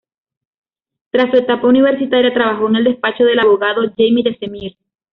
Tras su etapa universitaria trabajó en el despacho del abogado Jaime de Semir.